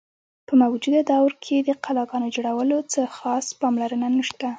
په موجوده دور کښې د قلاګانو جوړولو څۀ خاص پام لرنه نشته۔